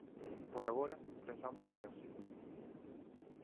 Por agora, pensamos que é así.